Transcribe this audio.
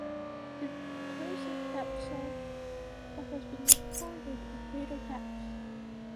It occurs at depths of but has been recorded at greater depths.